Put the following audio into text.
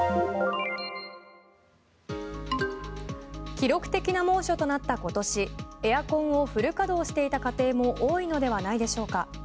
記録的な猛暑となった今年エアコンをフル稼働していた家庭も多いのではないでしょうか？